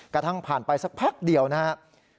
กระทั่งผ่านไปสักพักเดียวนะครับ